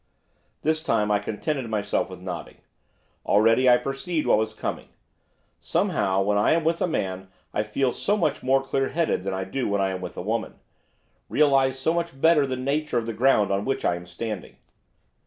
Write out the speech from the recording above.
This time I contented myself with nodding. Already I perceived what was coming; somehow, when I am with a man I feel so much more clear headed than I do when I am with a woman, realise so much better the nature of the ground on which I am standing.